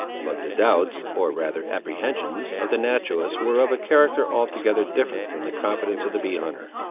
But the doubts, or rather apprehensions, of the naturalist were of a character altogether different from the confidence of the bee hunter.